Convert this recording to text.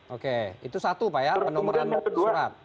oke itu satu pak ya penomoran surat